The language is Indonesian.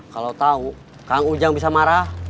kalau tahu kang ujang bisa marah